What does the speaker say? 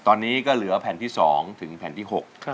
ตอนนี้ก็เหลือแผ่นที่๒ถึงแผ่นที่๖